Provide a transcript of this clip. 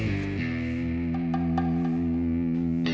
lu udah aja ngobrol